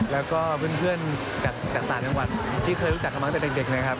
แล้วก็เพื่อนจากต่างจังหวัดที่เคยรู้จักกันมาตั้งแต่เด็กนะครับ